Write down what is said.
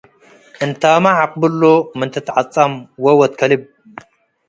እንታመ አቅብሎ ምን ትትዐጸም ዎ ወድ ከልብ